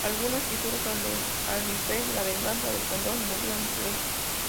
Algunos títulos son: "El alfiler", "La venganza del cóndor", "¡Murió en su ley!